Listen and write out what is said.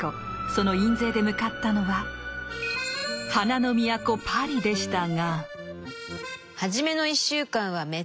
その印税で向かったのは「花の都パリ」でしたが。